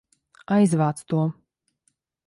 Aizvāc to!